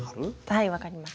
はい分かります。